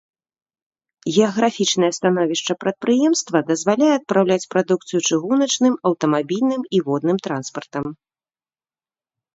Геаграфічнае становішча прадпрыемства дазваляе адпраўляць прадукцыю чыгуначным, аўтамабільным і водным транспартам.